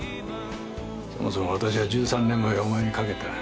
そもそも私は１３年前お前にかけた。